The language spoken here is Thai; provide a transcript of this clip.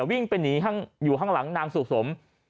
วิ่งไปหนีอยู่ข้างหลังนางสุสม